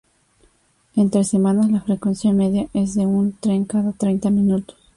Entre semanas la frecuencia media es de un tren cada treinta minutos.